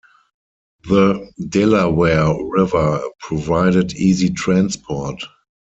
The Delaware River provided easy transport.